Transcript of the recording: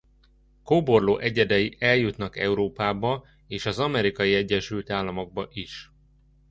Kóborló egyedei eljutnak Európába és az Amerikai Egyesült Államokba is.